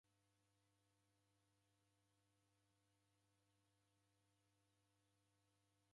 W'edezughwa na w'ikaja malemba ghizamie.